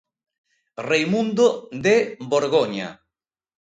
Reimundo de Borgoña.